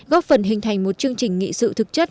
góp phần hình thành một chương trình nghị sự thực chất